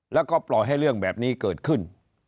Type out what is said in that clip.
แล้วก็ปล่อยให้เรื่องแบบนี้เกิดขึ้น